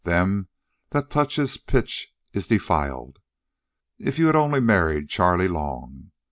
Them that touches pitch is defiled. If you'd only a married Charley Long!